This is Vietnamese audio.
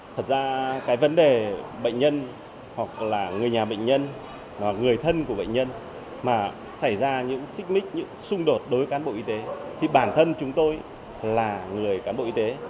thật ra cái vấn đề bệnh nhân hoặc là người nhà bệnh nhân mà người thân của bệnh nhân mà xảy ra những xích mích những xung đột đối với cán bộ y tế thì bản thân chúng tôi là người cán bộ y tế